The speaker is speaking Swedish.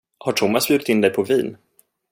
Har Thomas bjudit in dig på vin?